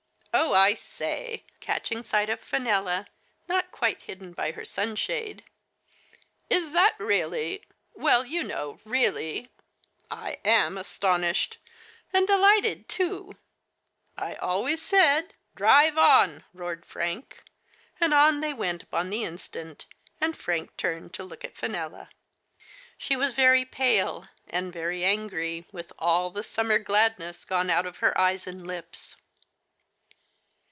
Oh, I say !" (catching sight of Fenella, not quite hidden by Digitized by Google t4 THE FATE 6F PENMLLA. her sunshade) " is that really — well, you know, really — I am astonished — and delighted, too ! I always said "" Drive on !" roared Frank, and on they went upon the instant, .and Frank turned to look at Fenella* She was very pale, and very angry, with all the summer gladness gone out of her eyes and lips.